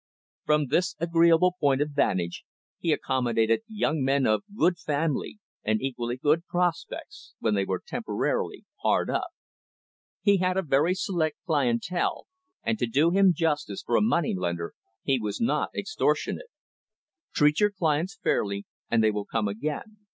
From this agreeable point of vantage, he accommodated young men of good family, and equally good prospects, when they were temporarily hard up. He had a very select clientele, and, to do him justice, for a moneylender, he was not extortionate. "Treat your clients fairly, and they will come again.